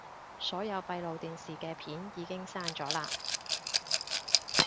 所有閉路電視嘅片已經刪咗喇